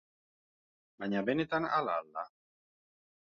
Baina benetan hala al da?